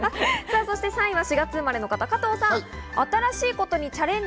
３位は４月生まれの方、加藤さんです。